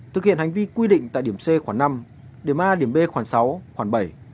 thực hiện hành vi quy định tại điểm c khoảng năm điểm a điểm b khoảng sáu khoảng bảy